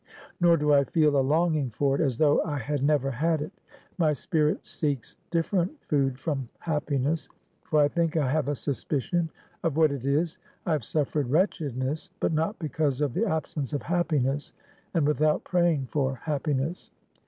Nor do I feel a longing for it, as though I had never had it; my spirit seeks different food from happiness; for I think I have a suspicion of what it is. I have suffered wretchedness, but not because of the absence of happiness, and without praying for happiness.